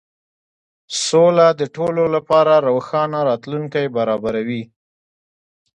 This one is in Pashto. سوله د ټولو لپاره روښانه راتلونکی برابروي.